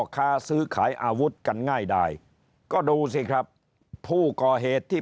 ค้าซื้อขายอาวุธกันง่ายได้ก็ดูสิครับผู้ก่อเหตุที่